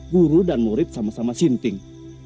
guru dan murid sama sama sinting